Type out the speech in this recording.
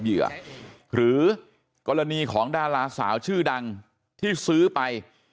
เหยื่อหรือกรณีของดาราสาวชื่อดังที่ซื้อไป